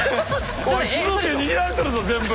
主導権握られとるぞ全部。